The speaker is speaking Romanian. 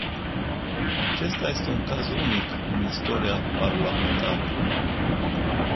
Acesta este un caz unic în istoria parlamentară.